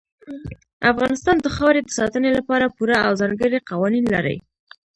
افغانستان د خاورې د ساتنې لپاره پوره او ځانګړي قوانین لري.